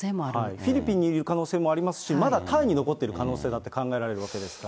フィリピンにいる可能性もありますし、まだタイに残っている可能性だって考えられるわけですから。